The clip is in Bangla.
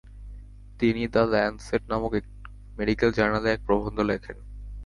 তিনি দ্য ল্যানসেট নামক এক মেডিক্যাল জার্নালে এক প্রবন্ধ লেখেন।